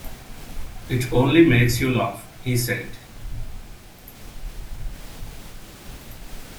“It only makes you laugh,” he said.